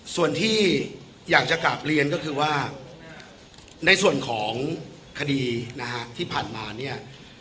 ส่วนที่อยากจะกลับเรียนก็คือว่าในส่วนของคดีนะฮะที่ผ่านมาเนี่ย